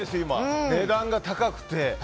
今、値段が高くて。